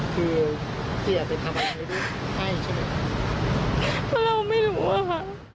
เพราะเราไม่รู้ว่าค่ะ